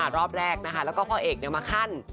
รอบแรกนะคะแล้วก็พ่อเอกมาขั้น